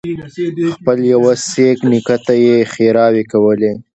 خپل يوه سېک نیکه ته یې ښېراوې کولې.